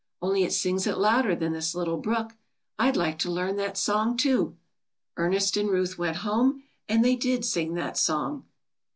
only it sings it louder than this little brook. I'd like to learn that song too." Ernest and Ruth went home and they did sing that song. 82 THE SONG THEY ALL SANG.